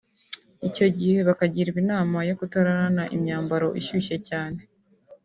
Icyo gihe bakagirwa inama yo kutararana imyambaro ishyushye cyane